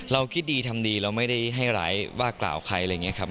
เราคิดดีทำดีเราไม่ได้ให้ร้ายว่ากล่าวใครอะไรอย่างนี้ครับ